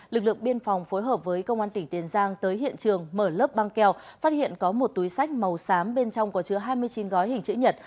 lực lượng biên phòng phối hợp với công an tỉnh tiền giang tới hiện trường mở lớp băng keo phát hiện có một túi sách màu xám bên trong có chứa hai mươi chín gói hình chữ nhật